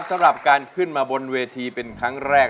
สำหรับการขึ้นมาบนเวทีเป็นครั้งแรก